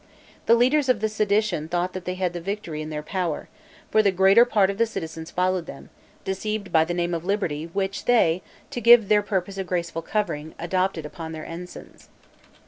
The leaders of the sedition thought they had the victory in their power; for the greater part of the citizens followed them, deceived by the name of liberty which they, to give their purpose a graceful covering, adopted upon their ensigns.